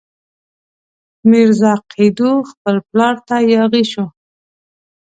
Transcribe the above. میرزا قیدو خپل پلار ته یاغي شو.